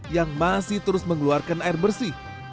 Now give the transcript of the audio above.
yang masih terus mengeluarkan air bersih